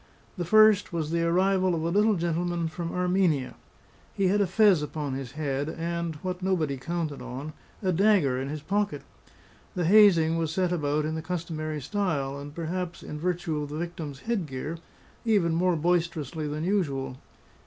The first was the arrival of a little gentleman from Armenia. He had a fez upon his head and (what nobody counted on) a dagger in his pocket. The hazing was set about in the customary style, and, perhaps in virtue of the victim's head gear, even more boisterously than usual.